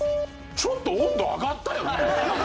ちょっと温度上がったよね？